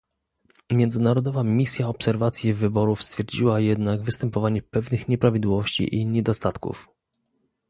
Międzynarodowa misja obserwacji wyborów stwierdziła jednak występowanie pewnych nieprawidłowości i niedostatków